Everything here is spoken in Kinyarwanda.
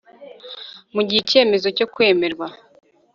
mu gihe icyemezo cyo kwemerwa